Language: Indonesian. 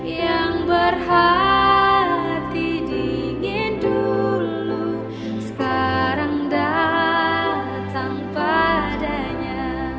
yang berhati dingin dulu sekarang datang padanya